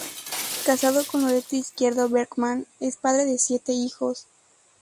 Casado con Loreto Izquierdo Bergmann, es padre de siete hijos.